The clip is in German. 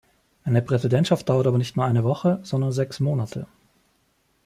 Eine Präsidentschaft dauert aber nicht nur eine Woche, sondern sechs Monate.